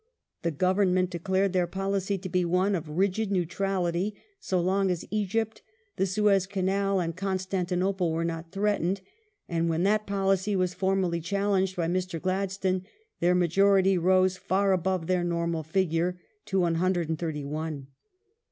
The Government declared their policy to be one of rigid neutrality so long as Egypt, the Suez Canal, and Constantinople were not threatened, and when'that policy was formally challenged by Mr. Gladstone, their majority rose far aboye their normal figure — to 131.